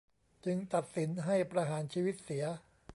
จึงตัดสินให้ประหารชีวิตเสีย